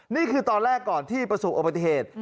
นี่คือตอนแรกก่อนที่ประสบอุบัติเหตุ